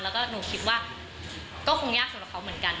แล้วก็หนูคิดว่าก็คงยากสำหรับเขาเหมือนกัน